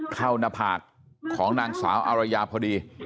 หน้าผากของนางสาวอารยาพอดี